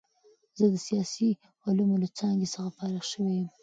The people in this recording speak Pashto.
زه د سیاسي علومو له څانګې څخه فارغ شوی یم.